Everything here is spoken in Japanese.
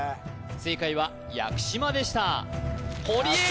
正解は屋久島でした堀江亮次